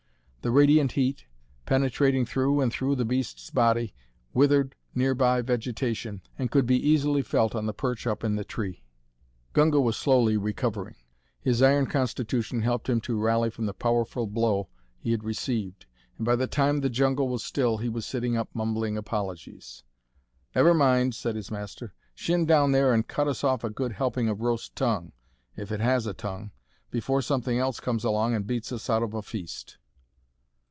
The radiant heat, penetrating through and through the beast's body, withered nearby vegetation and could be easily felt on the perch up the tree. Gunga was slowly recovering. His iron constitution helped him to rally from the powerful blow he had received, and by the time the jungle was still he was sitting up mumbling apologies. "Never mind," said his master. "Shin down there and cut us off a good helping of roast tongue, if it has a tongue, before something else comes along and beats us out of a feast."